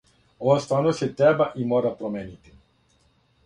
Ова стварност се треба и мора променити.